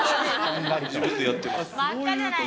自分でやってますよ。